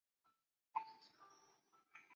弗拉尔夏伊姆是德国图林根州的一个市镇。